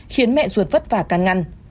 khiến mẹ ruột vất vả càng ngăn